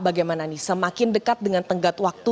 bagaimana nih semakin dekat dengan tenggat waktu